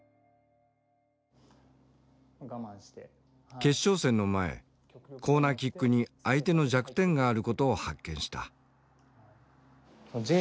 決勝戦の前コーナーキックに相手の弱点があることを発見した。